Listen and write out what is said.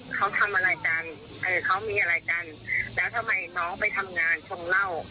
เขาทำอะไรกันเออเขามีอะไรกันแล้วทำไมน้องไปทำงานชงเหล้า